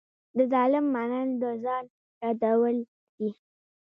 د ظالم منل د ځان ردول دي.